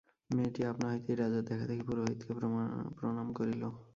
মেয়েটি আপনা হইতেই রাজার দেখাদেখি পুরোহিতকে প্রণাম করিল।